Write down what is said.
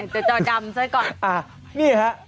จะจ่อกำซะก่อน